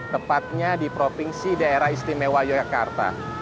tepatnya di provinsi daerah istimewa yogyakarta